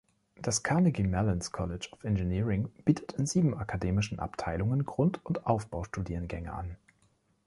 Das Carnegie Mellon’s College of Engineering bietet in sieben akademischen Abteilungen Grund- und Aufbaustudiengänge an.